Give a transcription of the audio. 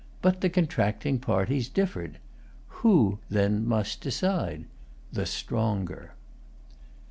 But the contracting parties differed. Who then must decide? The stronger.